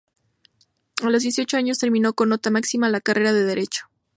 A los dieciocho años terminó con nota máxima la carrera de derecho.